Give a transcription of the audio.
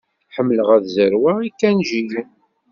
Ḥemmleɣ ad zerweɣ ikanjiyen.